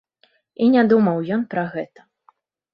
І не думаў ён пра гэта.